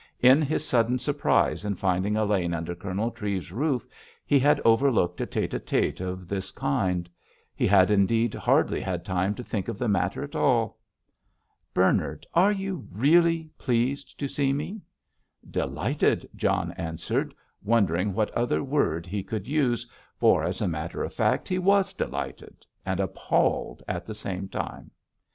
In his sudden surprise in finding Elaine under Colonel Treves's roof he had overlooked a tête à tête of this kind. He had indeed hardly had time to think of the matter at all. "Bernard, are you really pleased to see me?" "Delighted," John answered, wondering what other word he could use, for, as a matter of truth, he was delighted and appalled at the same time.